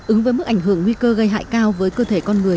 ứng với mức ảnh hưởng nguy cơ gây hại cao với cơ thể con người